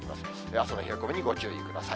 朝の冷え込みにご注意ください。